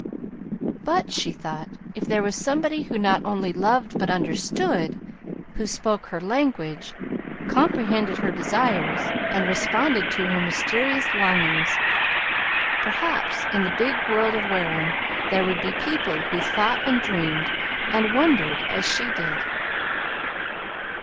But, she thought, if there were somebody who not only loved but understood; who spoke her language, comprehended her desires, and responded to her mysterious longings! Perhaps in the big world of Wareham there would be people who thought and dreamed and wondered as she did.